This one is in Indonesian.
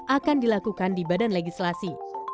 akan dilakukan di badan legislasi